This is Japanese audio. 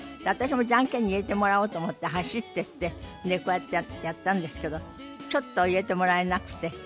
私もジャンケンに入れてもらおうと思って走ってってこうやってやったんですけどちょっと入れてもらえなくて。